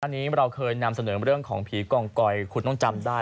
อันนี้เราเคยนำเสนอเรื่องของผีกองกอยคุณต้องจำได้